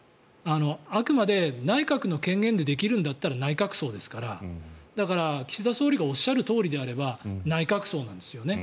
あくまで内閣の権限でできるんだったら内閣葬ですからだから、岸田総理大臣がおっしゃるとおりであれば内閣葬なんですよね。